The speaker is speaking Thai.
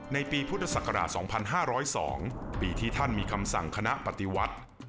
ในปีพุทธศักราช๒๕๐๒ปีที่ท่านมีคำสั่งคณะปฏิวัติ